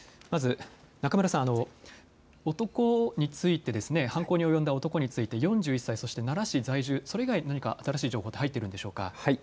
中村さん、犯行に及んだ男について４１歳、そして奈良市在住、それ以外に新しい情報は入っているんでしょうか。